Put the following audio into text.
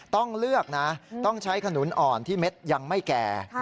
ต้องเลือกนะต้องใช้ขนุนอ่อนที่เม็ดยังไม่แก่